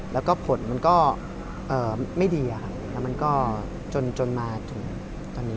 แล้วก็ผลมันก็ไม่ดีแล้วมันก็จนมาถึงตอนนี้